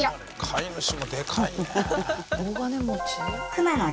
飼い主もでかいね。